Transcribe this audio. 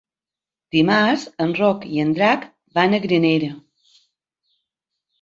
Dimarts en Roc i en Drac van a Granera.